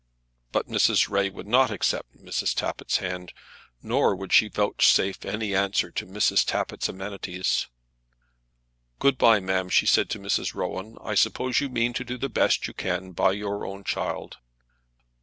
But Mrs. Ray would not accept Mrs. Tappitt's hand, nor would she vouchsafe any answer to Mrs. Tappitt's amenities. "Good bye, ma'am," she said to Mrs. Rowan. "I suppose you mean to do the best you can by your own child."